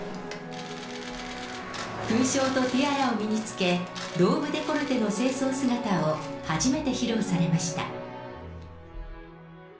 勲章とティアラを身に着け、ローブデコルテの正装姿を初めて披露されました。